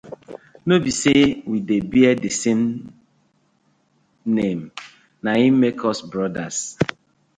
No bi say we dey bear di same na im make us brothers.